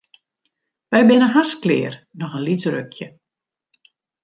Wy binne hast klear, noch in lyts rukje.